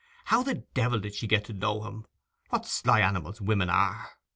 How the devil did she get to know him? What sly animals women are!